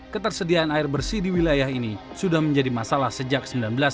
ketersediaan air bersih di wilayah ini sudah menjadi masalah sejak seribu sembilan ratus sembilan puluh